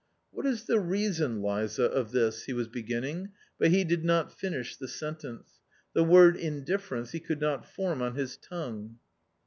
" What is the reason, Liza, of this ...." he was begin ning, but he did not finish the sentence ; the word indiffer ence he could not form on his tongue.